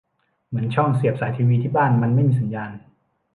เหมือนช่องเสียบสายทีวี ที่บ้านมันไม่มีสัญญาณ